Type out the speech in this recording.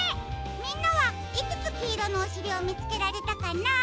みんなはいくつきいろのおしりをみつけられたかな？